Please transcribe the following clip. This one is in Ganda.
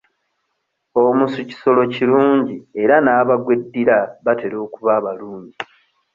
Omusu kisolo kirungi era n'abagweddira batera okuba abalungi.